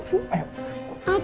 la normal si lah